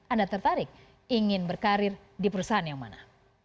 anda tertarik ingin berkarir di perusahaan yang mana